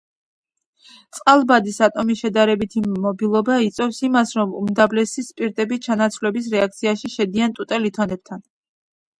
წყალბადის ატომის შედარებითი მობილობა იწვევს იმას, რომ უმდაბლესი სპირტები ჩანაცვლების რეაქციაში შედიან ტუტე ლითონებთან.